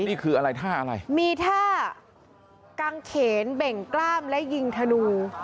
นี่คืออะไรท่าอะไรมีท่ากางเขนเบ่งกล้ามและยิงธนู